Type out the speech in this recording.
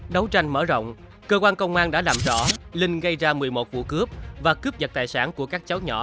đấu tranh mở rộng cơ quan công an đã làm rõ linh gây ra một mươi một vụ cướp và cướp vật tài sản của các cháu nhỏ